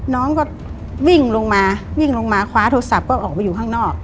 น้องก็วิ่งลงมาวิ่งลงมาคว้าโทรศัพท์ก็ออกไปอยู่ข้างนอก